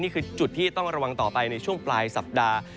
นี่คือจุดที่ต้องระวังต่อไปในช่วงปลายสัปดาห์